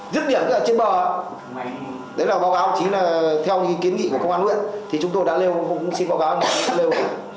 dứt điểm cái là trên bờ đấy là báo cáo chính là theo ý kiến nghị của công an huyện thì chúng tôi đã lêu cũng xin báo cáo chúng tôi đã lêu